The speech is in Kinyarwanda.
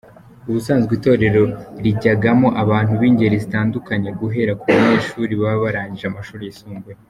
Ubusanzwe Itorero rijyagamo abantu b’ingeri zitandukanye, guhera ku banyeshuri baba barangije amashuri yisumbuye.